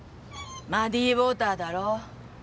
マディウォーターだろ。